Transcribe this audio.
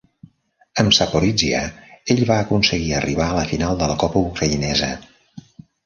Amb Zaporizhya, ell va aconseguir arribar a la final de copa ucraïnesa.